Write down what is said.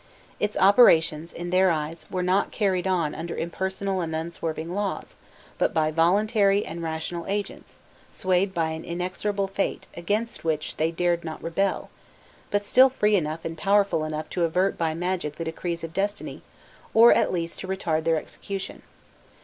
Its operations, in their eyes, were not carried on under impersonal and unswerving laws, but by voluntary and rational agents, swayed by an inexorable fate against which they dared not rebel, but still free enough and powerful enough to avert by magic the decrees of destiny, or at least to retard their execution.